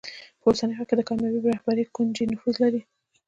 په اوسني وخت کې د کامیابې رهبرۍ کونجي نفوذ دی.